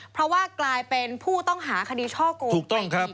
เพราะว่ากลายเป็นผู้ต้องหาคดีช่อโกงตัวเอง